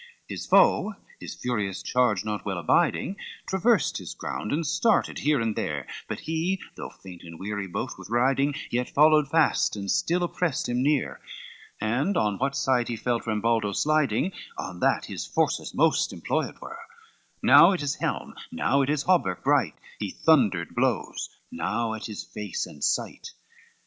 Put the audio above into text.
XXXVIII His foe, his furious charge not well abiding, Traversed his ground, and stated here and there, But he, though faint and weary both with riding, Yet followed fast and still oppressed him near, And on what side he felt Rambaldo sliding, On that his forces most employed were; Now at his helm, not at his hauberk bright, He thundered blows, now at his face and sight.